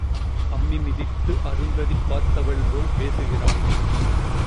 அம்மி மிதித்து அருந்ததி பார்த்தவள்போல் பேசுகிறாள்.